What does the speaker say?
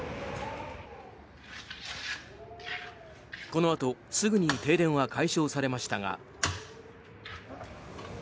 このあと、すぐに停電は解消されましたが。